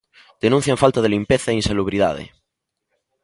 Denuncian falta de limpeza e insalubridade.